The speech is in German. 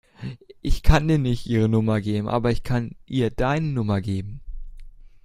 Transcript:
Ich kann dir nicht ihre Nummer geben, aber ich kann ihr deine Nummer geben.